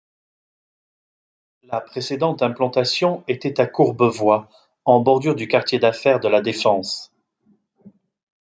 La précédente implantation était à Courbevoie, en bordure du quartier d'affaires de La Défense.